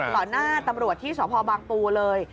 ต่อหน้าตำรวจที่สพบางปูเลย